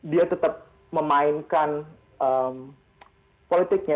dia tetap memainkan politiknya